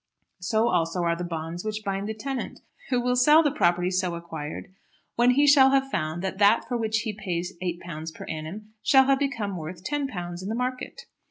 So also are the bonds which bind the tenant, who will sell the property so acquired when he shall have found that that for which he pays £8 per annum shall have become worth £10 in the market.